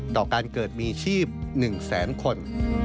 ต่อการเกิดมีชีพ๑แสนคน